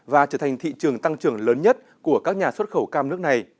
và trở thành thị trường tăng trưởng lớn nhất của các nhà xuất khẩu cam nước này